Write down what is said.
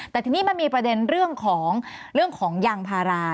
แต่ทีนี้มันมีประเด็นเรื่องของเรื่องของยางพารา